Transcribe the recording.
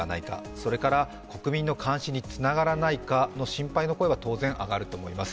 それから国民の監視につながらないかの心配の声は当然上がると思います。